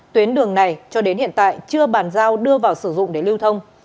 tuyến đường này cho đến hiện tại chưa bàn giao đưa vào sử dụng để lưu thông